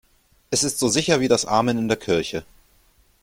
Es ist so sicher wie das Amen in der Kirche.